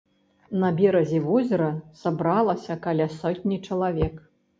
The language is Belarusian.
На беразе возера сабралася каля сотні чалавек.